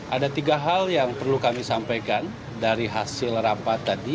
ada tiga hal yang perlu kami sampaikan dari hasil rapat tadi